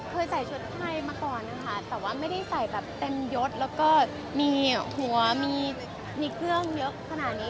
ใส่ชุดไทยมาก่อนนะคะแต่ว่าไม่ได้ใส่แบบเต็มยดแล้วก็มีหัวมีเครื่องเยอะขนาดนี้